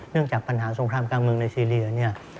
เนื่องจากปัญหาสงครามกลางเมืองในซีเรีย